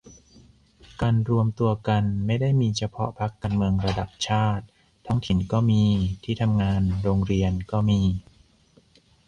การรวมตัวกันไม่ได้มีเฉพาะพรรคการเมืองระดับชาติ ท้องถิ่นก็มี ที่ทำงาน โรงเรียนก็มี